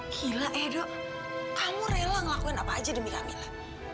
gila edo kamu rela ngelakuin apa aja demi kamila